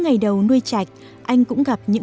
ngày đầu nuôi chạch anh cũng gặp những